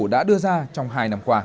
đã đưa ra trong hai năm qua